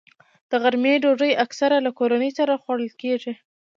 د غرمې ډوډۍ اکثره له کورنۍ سره خوړل کېږي